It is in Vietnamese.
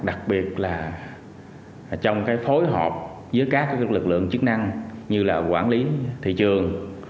đặc biệt là trong phối hợp với các lực lượng chức năng như quản lý thị trường